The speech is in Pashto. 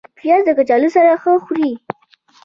پیاز د کچالو سره ښه خوري